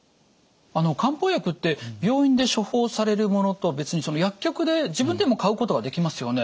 漢方薬って病院で処方されるものとは別に薬局で自分でも買うことができますよね。